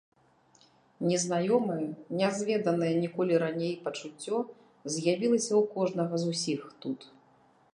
Незнаёмае, нязведанае ніколі раней пачуццё з'явілася ў кожнага з усіх тут.